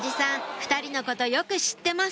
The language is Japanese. ２人のことよく知ってます